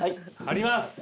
貼ります！